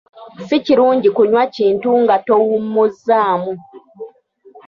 Si kirungi kunywa kintu nga towummuzzaamu.